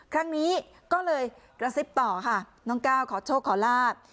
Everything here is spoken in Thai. ครั้งนี้ก็เลยกระซิบต่อค่ะน้องก้าวขอโชคขอลาบ